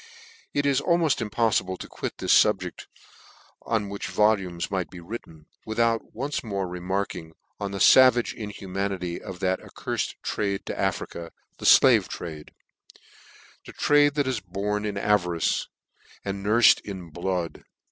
It is almoft impoffible to quit this fubject, on which a volume might be written, without once more remarking on the favage inhumanity of that accurfed traffic to Afrcia, the (lave trade ; a trade that is born to avarice, and nurfed in blood